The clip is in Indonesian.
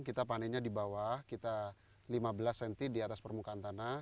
kita panennya di bawah kita lima belas cm di atas permukaan tanah